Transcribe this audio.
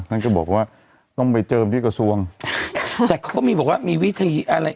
ท่านก็บอกว่าต้องไปเจิมที่กระทรวงแต่เขาก็มีบอกว่ามีวิธีอะไร